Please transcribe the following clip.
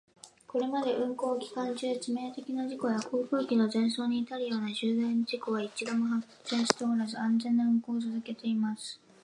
これまでの運航期間中、致命的な事故や航空機の全損に至るような重大事故は一度も発生しておらず、安全な運航を続けています。